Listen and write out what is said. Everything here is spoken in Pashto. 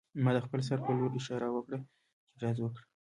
ما د خپل سر په لور اشاره وکړه چې ډز وکړه